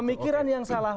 pemikiran yang salah